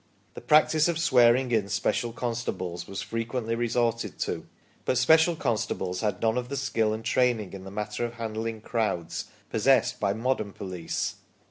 The practice of swearing in special constables was frequently resorted to, but special constables had none of the skill and training in the matter of handling crowds possessed by modern police.